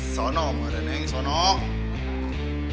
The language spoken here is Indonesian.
kenapa mbah reneng kenapa